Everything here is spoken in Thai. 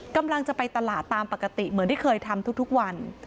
กำลังจะไปตลาดตามปกติเหมือนที่เคยทำทุกวัน